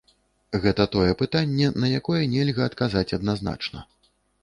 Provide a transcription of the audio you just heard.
Гэта тое пытанне, на якое нельга адказаць адназначна.